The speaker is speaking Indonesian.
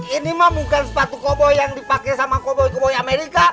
ini mah bukan sepatu koboi yang dipakai sama koboi koboi amerika